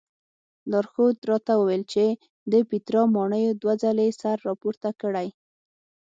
لارښود راته وویل چې د پیترا ماڼیو دوه ځلې سر راپورته کړی.